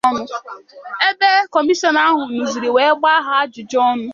ebe Kọmishọna ahụ nọzịrị wee gbaa ha ajụjụọnụ